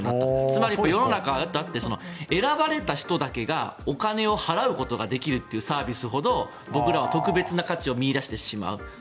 つまり、世の中選ばれた人だけがお金を払うことができるというサービスほど僕らは特別な価値を見いだしてしまう。